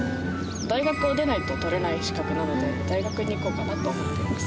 大学を出ないと取れない資格なので大学に行こうかなと思っています。